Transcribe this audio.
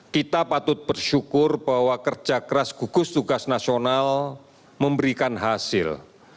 kita patut bersyukur bahwa kerja keras gugus tugas nasional memberikan hasil